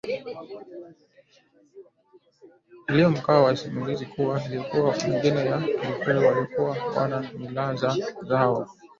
iliyopo mkoa wa SimiyuKama ilivyo makabila mengine ya Kiafrika wasukuma wana mila zao